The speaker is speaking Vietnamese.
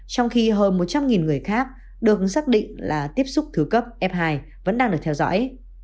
trong khi hơn một trăm linh người khác được xác định là tiếp xúc thứ cấp f hai vẫn đang được theo dõi